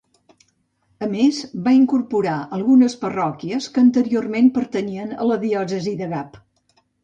A més, va incorporar algunes parròquies que anteriorment pertanyien a la diòcesi de Gap.